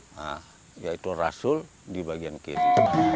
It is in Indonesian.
nah yaitu rasul di bagian kiri